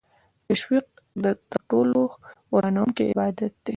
تشویش تر ټولو ورانوونکی عادت دی.